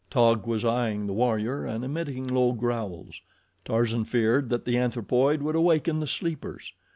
Taug was eyeing the warrior and emitting low growls. Tarzan feared that the anthropoid would awaken the sleepers.